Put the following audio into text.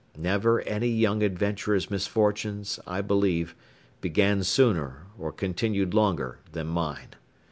Never any young adventurer's misfortunes, I believe, began sooner, or continued longer than mine.